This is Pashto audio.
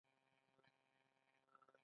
مصنوعي ځیرکتیا د سیالۍ بڼه بدلوي.